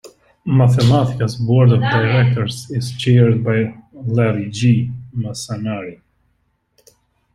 Mathematica's board of directors is chaired by Larry G. Massanari.